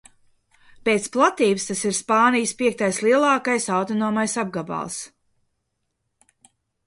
Pēc platības tas ir Spānijas piektais lielākais autonomais apgabals.